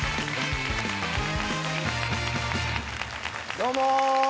どうも。